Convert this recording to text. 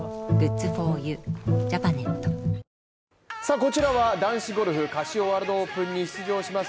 こちらは男子ゴルフカシオワールドオープンに出場します。